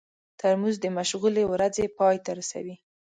ترموز د مشغولې ورځې پای ته رسوي.